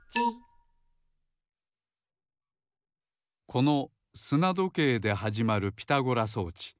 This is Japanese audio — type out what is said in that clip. このすなどけいではじまるピタゴラ装置